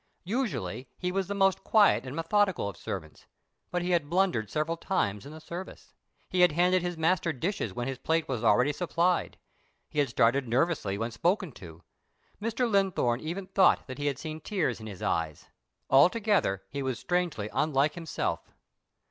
Usually he was the most quiet and methodical of servants, but he had blundered several times in the service. He had handed his master dishes when his plate was already supplied; he had started nervously when spoken to. Mr. Linthorne even thought that he had seen tears in his eyes; altogether he was strangely unlike himself.